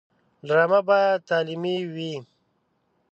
ډرامه باید تعلیمي وي